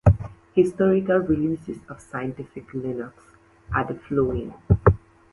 Historical releases of Scientific Linux are the following.